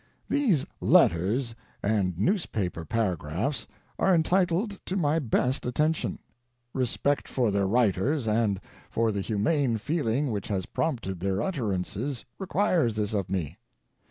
These letters and newspaper paragraphs are entitled to my best attention ; respect for their writers and for the humane feeling which has prompted their utterances requires this of me.